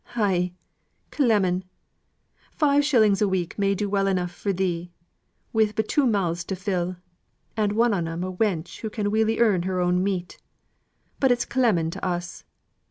Ay, clemming! Five shilling a week may do well enough for thee, wi' but two mouths to fill, and one on 'em a wench who can well earn her own meat. But it's clemming to us.